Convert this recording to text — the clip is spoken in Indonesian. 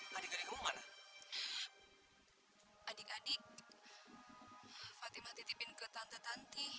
biar aku pulang aja